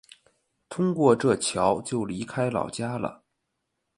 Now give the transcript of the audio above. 通过这桥就离开老家了